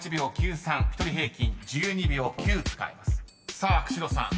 ［さあ久代さん］